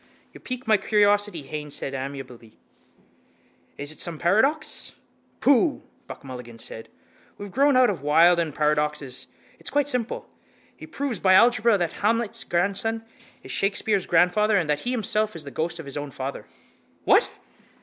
—You pique my curiosity, Haines said amiably. Is it some paradox? —Pooh! Buck Mulligan said. We have grown out of Wilde and paradoxes. It's quite simple. He proves by algebra that Hamlet's grandson is Shakespeare's grandfather and that he himself is the ghost of his own father. —What?